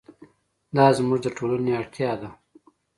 دا زموږ د ټولنې اړتیا ده.